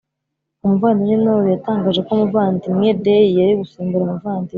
Umuvandimwe knorr yatangaje ko umuvandimwe dey yari gusimbura umuvandimwe